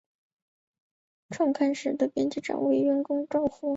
创刊时的编辑长为宫原照夫。